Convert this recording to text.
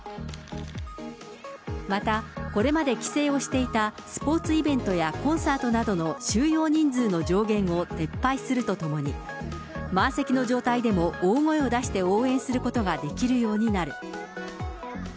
また、これまで規制をしていたスポーツイベントやコンサートなどの収容人数の上限を撤廃するとともに、満席の状態でも大声を出して応援することができるようになる。